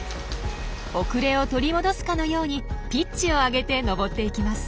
遅れを取り戻すかのようにピッチを上げて登っていきます。